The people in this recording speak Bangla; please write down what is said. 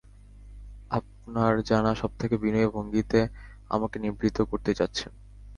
আপনার জানা সবথেকে বিনয়ী ভঙ্গিতে আমাকে নিবৃত্ত করতে চাচ্ছেন।